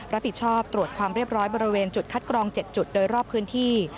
รับผิดชอบตรวจความเรียบร้อยบริเวณจุดคัดกรอง๗จุดโดยรอบพื้นที่